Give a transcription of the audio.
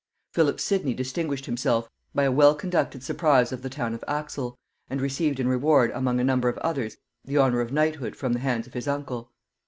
Philip Sidney distinguished himself by a well conducted surprise of the town of Axel, and received in reward among a number of others the honor of knighthood from the hands of his uncle.